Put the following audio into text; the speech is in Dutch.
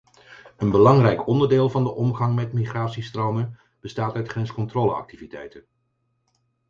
Een belangrijk onderdeel van de omgang met migratiestromen bestaat uit grenscontroleactiviteiten.